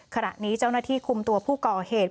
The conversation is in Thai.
ขณะนี้เจ้าหน้าที่คุมตัวผู้ก่อเหตุ